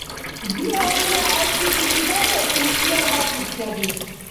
Биалра, хӀед дигуси барес ихтияр хӀезиб саби.